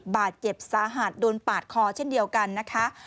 บาดเจ็บสาหัสโดนปาดคอเช่นเดียวกันนะคะ